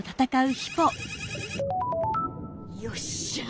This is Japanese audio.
よっしゃあ